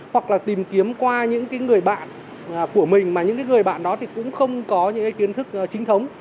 hoặc là tìm kiếm qua những cái người bạn của mình mà những cái người bạn đó thì cũng không có những cái kiến thức chính thống